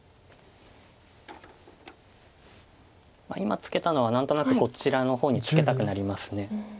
今ツケたのは何となくこちらの方にツケたくなります。